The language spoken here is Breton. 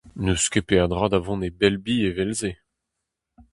N'eus ket peadra da vont e belbi evel-se.